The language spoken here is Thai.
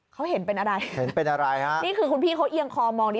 เขาเห็นเป็นอะไรครับนี่คือคุณพี่เขาเอียงคอมองดี